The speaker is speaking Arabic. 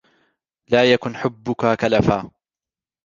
لَا يَكُنْ حُبُّك كَلَفًا